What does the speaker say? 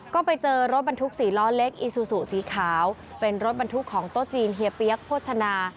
ก็ไปเจอรถบรรทุก๔ล้อเล็กอีซูซูสีขาวเป็นรถบรรทุกของโต๊ะจีนเฮียเปี๊ยกโภชนา